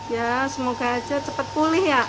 ya semoga aja cepat pulih ya